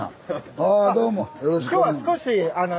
ああどうも。